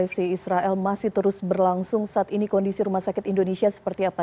isi israel masih terus berlangsung saat ini kondisi rumah sakit indonesia seperti apa